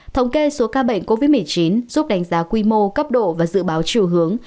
thống kê số ca bệnh covid một mươi chín giúp đánh giá quy mô cấp độ và dự báo chiều hướng